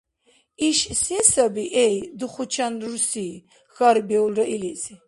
— Иш се саби, эй, духучан рурси? — хьарбиулра илизи.